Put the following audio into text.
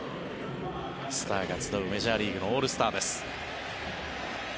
スターが集うメジャーリーグのオールスターです。